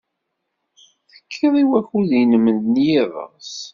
Tekkid i wakud-nnem n yiḍes.